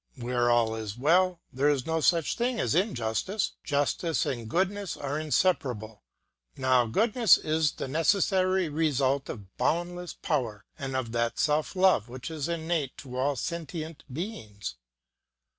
Where all is well, there is no such thing as injustice. Justice and goodness are inseparable; now goodness is the necessary result of boundless power and of that self love which is innate in all sentient beings.